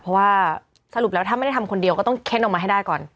เพราะว่าสรุปแล้วถ้าไม่ได้ทำคนเดียวก็ต้องเค้นออกมาให้ได้ก่อน